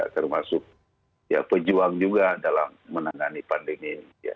termasuk pejuang juga dalam menangani pandemi